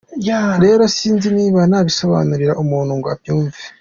Rero sinzi niba nabisobanurira umuntu ngo abyumve.